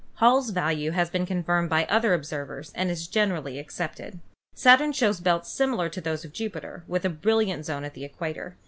Hall's value has been confirmed by other observers and is generally accepted. Saturn shows belts similar to those of Jupiter, with a brilliant zone at the equator.